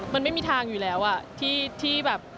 มันไม่มีทางอยู่แล้วที่แบบ